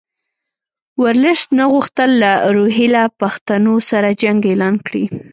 ورلسټ نه غوښتل له روهیله پښتنو سره جنګ اعلان کړي.